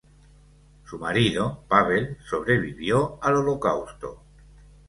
Su marido, Pavel, sobrevivió al Holocausto.